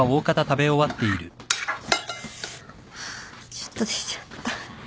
ちょっと出ちゃった。